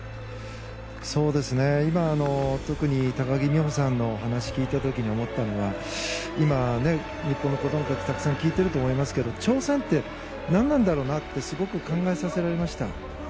今、特に高木美帆さんのお話を聞いた時に思ったのが今、日本の子供たちたくさん聞いていると思いますが挑戦って、何なんだろうなってすごく考えさせられました。